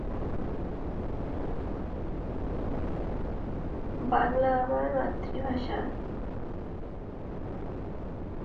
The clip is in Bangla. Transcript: নিকটবর্তী রেলস্টেশনটি হলো বাগডোগরা রেলওয়ে স্টেশন।